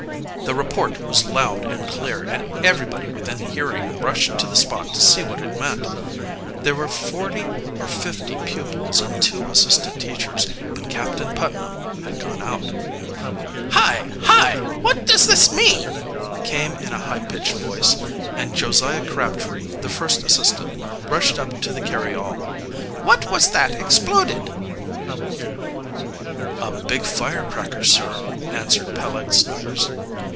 The report was loud and clear, and everybody within hearing rushed to the spot to see what it meant. There were forty or fifty pupils and two assistant teachers, but Captain Putnam had gone out. "Hi! Hi! What does this mean?" came in a high pitched voice, and Josiah Crabtree, the first assistant, rushed up to the carryall. "What was that exploded?" "A big firecracker, sir," answered Peleg Snuggers.